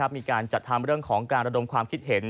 มีการจัดทำเรื่องของการระดมความคิดเห็น